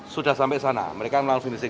sudah sampai sana mereka melalui finishing